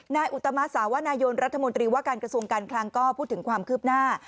อุตมาสาวนายนรัฐมนตรีว่าการกระทรวงการคลังก็พูดถึงความคืบหน้า